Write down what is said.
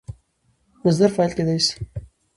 مصدر فاعل کېدای سي.